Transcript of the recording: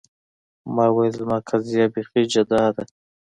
ما ویل زما قضیه بیخي جدا ده.